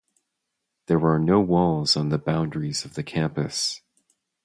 There are no walls on the boundaries of the campus.